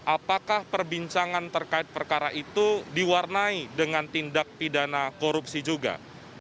apakah perbincangan terkait perkara itu diwarnai dengan tindak pidana korupsi juga